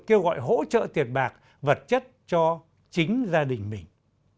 kêu gọi hỗ trợ tiền bạc vật chất cho chính gia đình mình